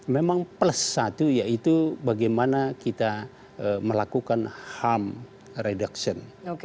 memang plus satu yaitu bagaimana kita melakukan harm reduction